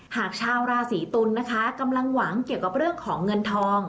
หากชาวราศีตุลนะคะกำลังหวังเกี่ยวกับเรื่องของเงินทอง